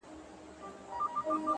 زما د فكر د ائينې شاعره ؛